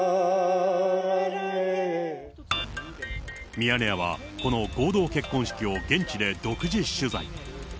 ミヤネ屋はこの合同結婚式を現地で独自取材。